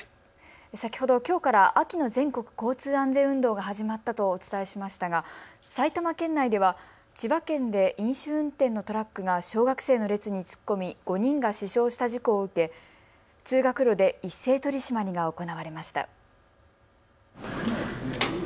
先ほどきょうから秋の全国交通安全運動が始まったとお伝えしましたが埼玉県内では千葉県で飲酒運転のトラックが小学生の列に突っ込み５人が死傷した事故を受け通学路で一斉取締りが行われました。